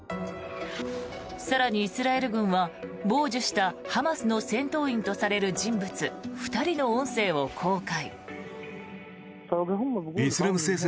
更に、イスラエル軍は傍受したハマスの戦闘員とされる人物２人の音声を公開。